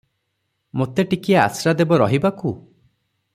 ମୋତେ ଟିକିଏ ଆଶ୍ରା ଦେବ ରହିବାକୁ?"